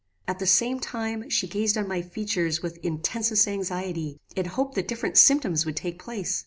At the same time she gazed on my features with intensest anxiety, in hope that different symptoms would take place.